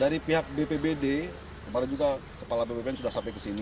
dari pihak bpbd kemaren juga kepala bpbn sudah sampai kesini